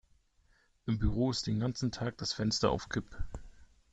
Im Büro ist den ganzen Tag das Fenster auf Kipp.